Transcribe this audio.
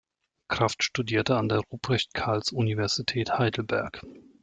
Krafft studierte an der Ruprecht-Karls-Universität Heidelberg.